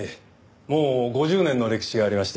もう５０年の歴史がありまして。